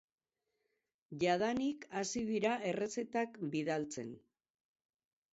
Jadanik hasi dira errezetak bidaltzen.